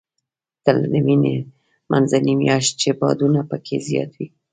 تله د مني منځنۍ میاشت ده، چې بادونه پکې زیات وي.